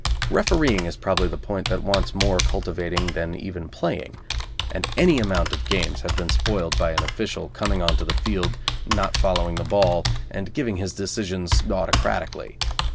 Refereeing is probably the point that wants more cultivating than even playing, and any amount of games have been spoiled by an official coming on to the field, not following the ball, and giving his decisions autocratically.